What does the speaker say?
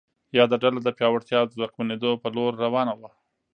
یاده ډله د پیاوړتیا او ځواکمنېدو په لور روانه وه.